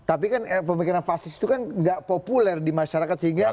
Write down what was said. tapi kan pemikiran fasis itu kan gak populer di masyarakat sehingga